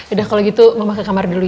udah kalau gitu mama ke kamar dulu ya